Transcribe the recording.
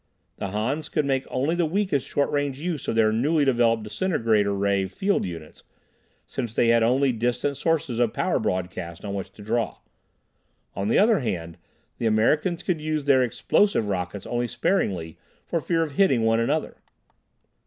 The Hans could make only the weakest short range use of their newly developed disintegrator ray field units, since they had only distant sources of power broadcast on which to draw. On the other hand, the Americans could use their explosive rockets only sparingly for fear of hitting one another.